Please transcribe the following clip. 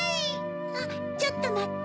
あっちょっとまって。